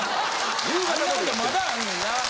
あんなことまだあんねんな。